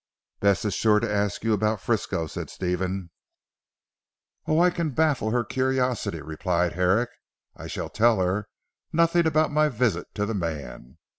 "Bess is sure to ask you about Frisco," said Stephen. "Oh, I can baffle her curiosity," replied Herrick. "I shall tell her nothing about my visit to the man.